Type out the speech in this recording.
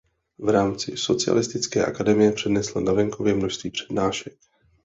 V rámci Socialistické akademie přednesl na venkově množství přednášek.